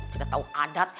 tidak tau adat